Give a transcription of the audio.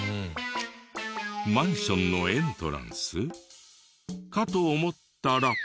マンションのエントランス？かと思ったら。